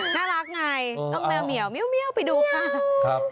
น่ารักไงต้องเหมียวไปดูค่ะ